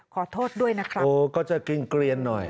ขอโทษด้วยนะครับโอ้ก็จะกินเกลียนหน่อย